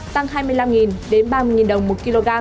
tăng hai mươi năm đến ba mươi đồng một kg